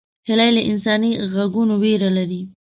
هیلۍ له انساني غږونو ویره لري